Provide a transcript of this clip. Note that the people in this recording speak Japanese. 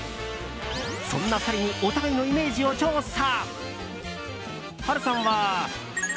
そんな２人にお互いのイメージを調査。